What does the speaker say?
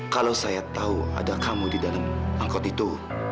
kalau saya tahu ada kamu di dalam angkot itu